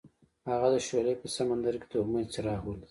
هغه د شعله په سمندر کې د امید څراغ ولید.